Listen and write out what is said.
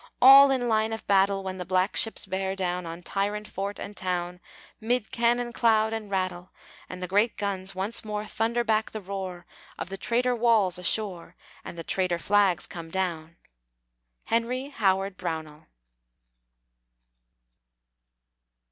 All in line of battle When the black ships bear down On tyrant fort and town, 'Mid cannon cloud and rattle; And the great guns once more Thunder back the roar Of the traitor walls ashore, And the traitor flags come down. HENRY HOWARD BROWNELL.